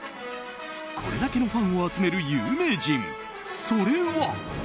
これだけのファンを集める有名人それは。